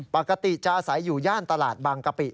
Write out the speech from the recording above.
ปกติจะอาศัยอยู่ย่านตลาดบางกะปิ